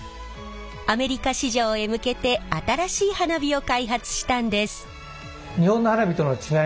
アメリカ市場へ向けて新しい花火を開発したんです。